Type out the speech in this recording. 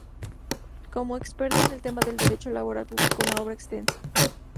Como experto en el tema del derecho laboral, publicó una obra extensa.